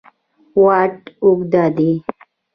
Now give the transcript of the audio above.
واټ اوږد دی.